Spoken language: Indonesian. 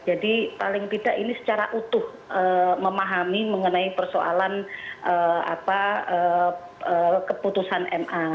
jadi paling tidak ini secara utuh memahami mengenai persoalan keputusan ma